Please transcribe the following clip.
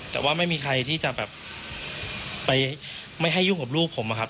แต่ว่าไม่มีใครที่จะแบบไปไม่ให้ยุ่งกับลูกผมอะครับ